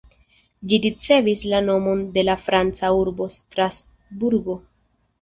Ĝi ricevis la nomon de la franca urbo Strasburgo.